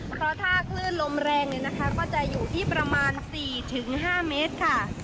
เพราะถ้าคลื่นลมแรงเนี่ยนะคะก็จะอยู่ที่ประมาณ๔๕เมตรค่ะ